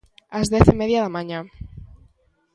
Ás dez e media da mañá.